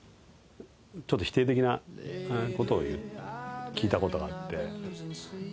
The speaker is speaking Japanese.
ちょっと否定的なことを聞いたことがあって。